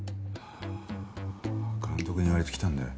監督に言われて来たんだよ。